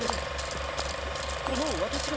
あっここの私が？